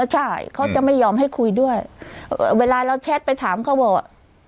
ใช่เขาจะไม่ยอมให้คุยด้วยเวลาเราแชทไปถามเขาบอก